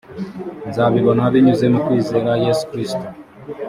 nzabibona binyuze mu kwizera yesu kristo